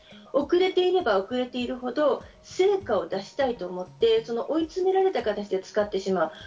遅れていれば遅れているほど成果を出したいと思って追い詰められた形で使ってしまう。